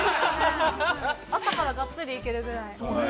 ◆朝からがっつりいけるぐらい。